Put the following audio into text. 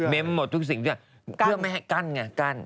เม้มหมดทุกสิ่งด้วยเพื่อไม่ให้กั้นไงกั้น